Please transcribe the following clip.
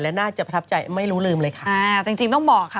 และน่าจะประทับใจไม่รู้ลืมเลยค่ะอ่าจริงจริงต้องบอกค่ะ